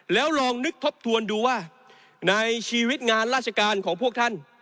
แล้วลองนึกทบทวนดูว่าในชีวิตงานราชการของพวกท่าน